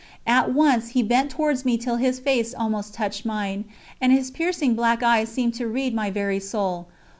At once he bent towards me till his face almost touched mine, and his piercing black eyes seemed to read my very soul.